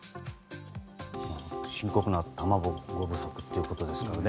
深刻な卵不足ということですからね。